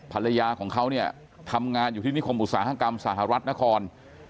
ภรรยาของเขาเนี่ยทำงานอยู่ที่นิคมอุตสาหกรรมสหรัฐนคร